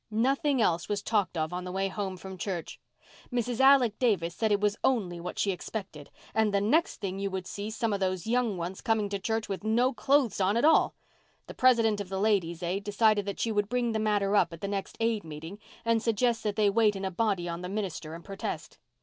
Nothing else was talked of on the way home from church. Mrs. Alec Davis said it was only what she expected, and the next thing you would see some of those young ones coming to church with no clothes on at all. The president of the Ladies' Aid decided that she would bring the matter up at the next Aid meeting, and suggest that they wait in a body on the minister and protest.